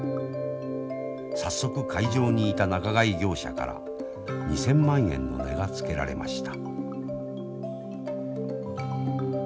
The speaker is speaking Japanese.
早速会場にいた仲買業者から２，０００万円の値がつけられました。